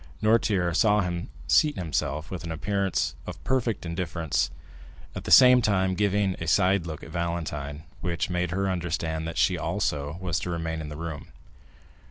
Noirtier saw him seat himself with an appearance of perfect indifference, at the same time giving a side look at Valentine, which made her understand that she also was to remain in the room.